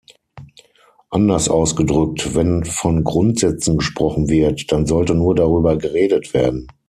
Anders ausgedrückt, wenn von Grundsätzen gesprochen wird, dann sollte nur darüber geredet werden.